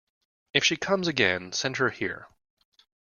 If she comes again, send her here.